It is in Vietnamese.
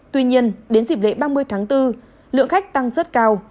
tuy nhiên đến dịp lễ ba mươi tháng bốn lượng khách tăng rất cao